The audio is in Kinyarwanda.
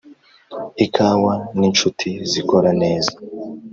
ikawa ninshuti zikora neza.